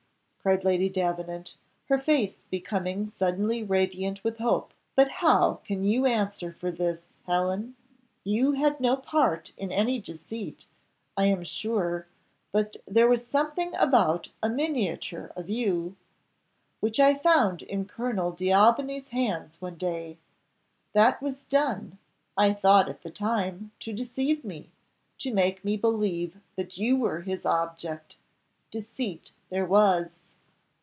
cried Lady Davenant, her face becoming suddenly radiant with hope; "but how can you answer for this, Helen? You had no part in any deceit, I am sure, but there was something about a miniature of you, which I found in Colonel D'Aubigny's hands one day. That was done, I thought at the time, to deceive me, to make me believe that you were his object. Deceit there was."